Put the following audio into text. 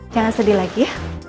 jangan sedih lagi ya